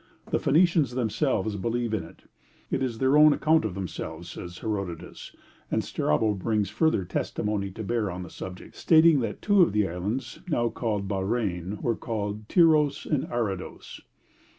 The Phoenicians themselves believed in it: 'It is their own account of themselves,' says Herodotus; and Strabo brings further testimony to bear on the subject, stating that two of the islands now called Bahrein were called Tyros and Arados.